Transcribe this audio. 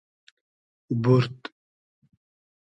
بورد